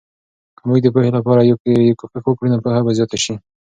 که موږ د پوهې لپاره یې کوښښ وکړو، نو پوهه به زیاته سي.